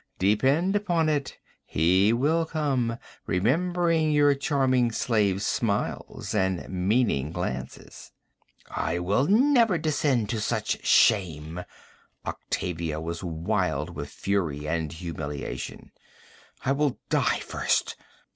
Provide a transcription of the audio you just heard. Depend upon it, he will come, remembering your charming slave's smiles and meaning glances.' 'I will never descend to such shame!' Octavia was wild with fury and humiliation. 'I will die first!'